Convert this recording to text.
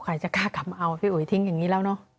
ใครจะกล้ากลับมาเอาพี่อุ๋ยทิ้งอย่างนี้แล้วเนอะ